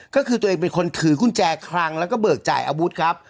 ก็คือตัวเองเป็นคนถือกุญแจคลังแล้วก็เบิกจ่ายอาวุธครับ